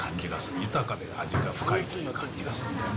豊かで、味が深いという感じがすんだよね。